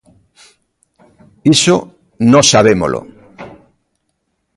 Iso nós sabémolo.